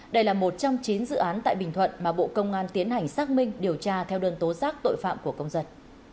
đây là một trong chín dự án tại bình thuận mà bộ công an tiến hành xác minh điều tra theo đơn tố giác tội phạm của công dân